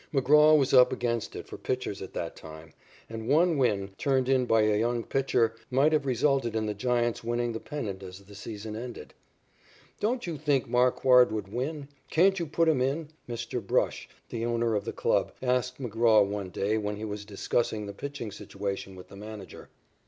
McGraw was up against it for pitchers at that time, and one win, turned in by a young pitcher, might have resulted in the Giants winning the pennant as the season ended. "Don't you think Marquard would win? Can't you put him in?" Mr. Brush, the owner of the club, asked McGraw one day when he was discussing the pitching situation with the manager.